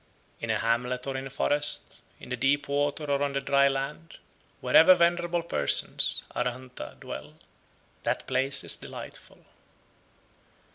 98. In a hamlet or in a forest, in the deep water or on the dry land, wherever venerable persons (Arhanta) dwell, that place is delightful.